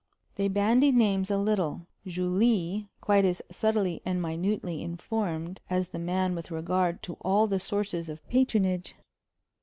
They bandied names a little, Julie quite as subtly and minutely informed as the man with regard to all the sources of patronage.